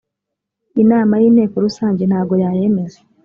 inama y Inteko Rusange ntago yayemeza.